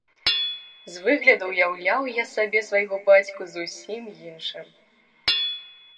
З выгляду ўяўляў я сабе свайго бацьку зусім іншым.